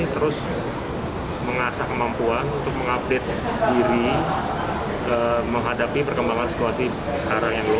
terus mengasah kemampuan untuk mengupdate diri menghadapi perkembangan situasi sekarang ini